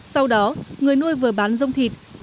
sau đó người nuôi vừa bán rông thịt